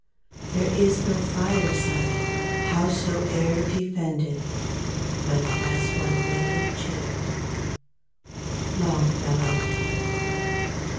There is no fireside, howsoe'er defended, But has one vacant chair. —Longfellow.